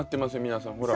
皆さんほら。